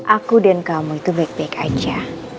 aku dan kamu itu baik baik aja